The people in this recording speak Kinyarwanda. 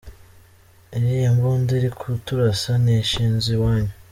Iriya mbunda iri kuturasa ntishinze iwanyu?